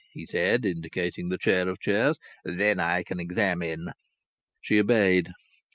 he said, indicating the chair of chairs; "then I can examine." She obeyed.